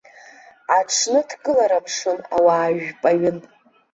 Аҽны дкылара мшын, ауаа жәпаҩын.